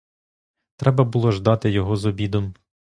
Треба було ждати його з обідом.